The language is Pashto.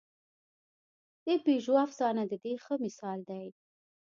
د پېژو افسانه د دې ښه مثال دی.